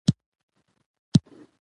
او د زده کړو مخه يې نه ده ورکړې.